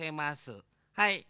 はい。